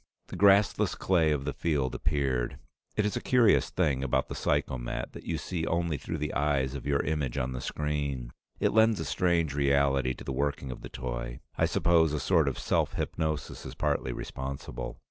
The grassless clay of the field appeared. It is a curious thing about the psychomat that you see only through the eyes of your image on the screen. It lends a strange reality to the working of the toy; I suppose a sort of self hypnosis is partly responsible.